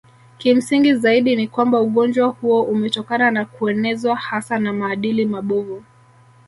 Kimsingi zaidi ni kwamba ugonjwa huo umetokana na kuenezwa hasa na maadili mabovu